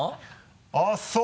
あぁそう。